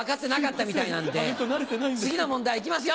次の問題行きますよ！